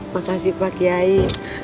makasih pak yai